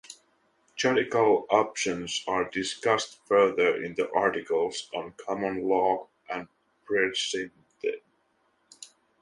Judicial opinions are discussed further in the articles on common law and precedent.